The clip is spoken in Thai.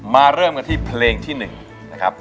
เริ่มกันที่เพลงที่๑นะครับ